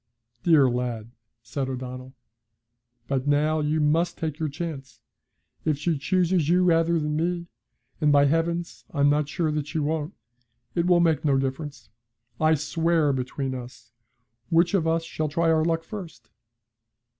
'Dear lad!' said O'Donnell. 'But now you must take your chance. If she chooses you rather than me and, by heavens! I'm not sure that she won't it will make no difference, I swear, between us. Which of us shall try our luck first?'